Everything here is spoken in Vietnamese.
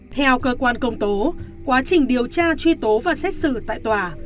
theo cơ quan công tố quá trình điều tra truy tố và xét xử tại tòa